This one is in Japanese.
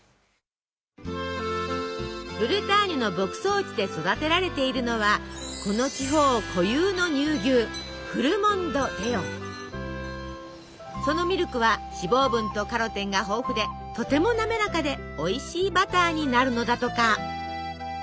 ブルターニュの牧草地で育てられているのはこの地方固有の乳牛そのミルクは脂肪分とカロテンが豊富でとてもなめらかでおいしいバターになるのだとか。